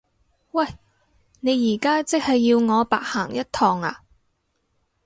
喂！你而家即係要我白行一趟呀？